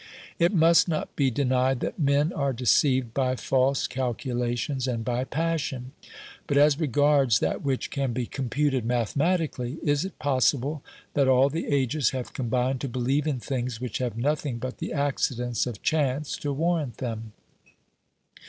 It must not be denied that men are deceived by false calculations and by passion, but, as regards that which can be computed mathematically, is it possible that all the ages 192 OBERMANN have combined to believe in things which have nothing but the accidents of chance to warrant them